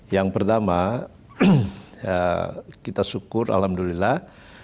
yang pertama kita syukur alhamdulillah